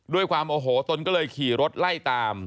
ด้วยความโอโหตนก็เลยขี่รถไล่ตาม